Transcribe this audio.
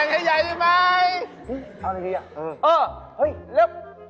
ใหญ่ได้นะ